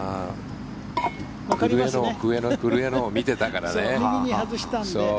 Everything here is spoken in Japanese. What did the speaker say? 古江のを見てたからね。